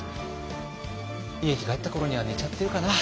家に帰った頃には寝ちゃってるかな。